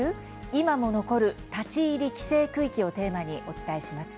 今も残る立ち入り規制区域」をテーマにお伝えします。